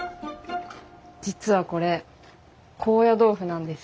実はこれ高野豆腐なんです。